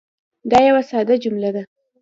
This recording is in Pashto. دا یوه ساده جمله ده.